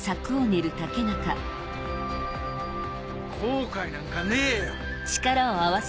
後悔なんかねえよ！